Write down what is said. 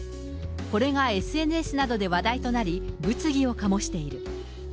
これがＳＮＳなどで話題となり、物議を醸している。